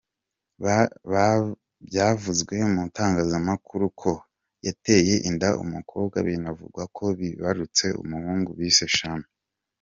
Byavuzwe mu itangazamakuru ko yateye inda umukobwa binavugwa ko bibarutse umuhungu bise ‘Shami’.